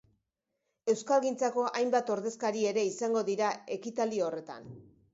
Euskalgintzako hainbat ordezkari ere izango dira ekitaldi horretan.